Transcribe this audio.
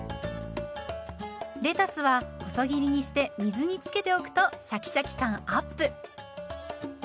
レタスは細切りにして水につけておくとシャキシャキ感アップ。